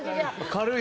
軽い！